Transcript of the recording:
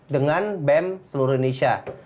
dengan bem seluruh indonesia